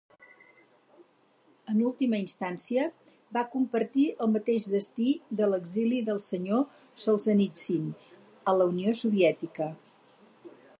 En última instància, va compartir el mateix destí de l'exili del Sr. Solzhenitsyn a la Unió Soviètica.